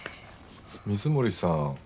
水森さん